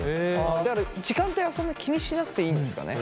だから時間帯はそんな気にしなくていいんですかね？